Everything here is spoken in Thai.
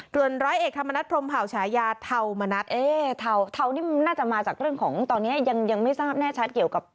เตือนร้อยเอกธรรมนัฐพรมเผาฉายาเท่ามนัฐเอ่อเท่าเท่านี่มันน่าจะมาจากเรื่องของตอนเนี้ยยังยังไม่ทราบแน่ชัดเกี่ยวกับ